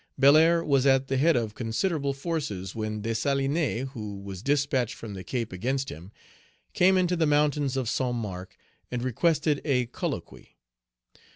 Belair was at the head of considerable forces, when Dessalines, who was despatched from the Cape against him, came into the mountains of Saint Marc, and requested a colloquy.